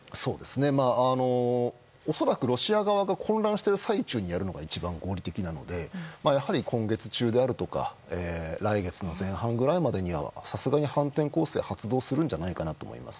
恐らくロシア側が混乱している最中にやるのが一番合理的なので今月中であるとか来月の前半くらいまでにはさすがに反転攻勢は発動するんじゃないかと思います。